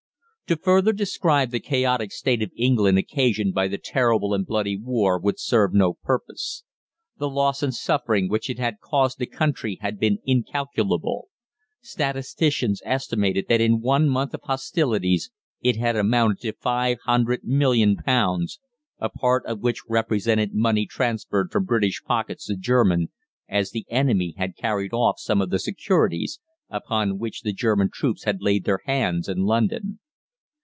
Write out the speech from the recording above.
To further describe the chaotic state of England occasioned by the terrible and bloody war would serve no purpose. The loss and suffering which it had caused the country had been incalculable; statisticians estimated that in one month of hostilities it had amounted to £500,000,000, a part of which represented money transferred from British pockets to German, as the enemy had carried off some of the securities upon which the German troops had laid their hands in London.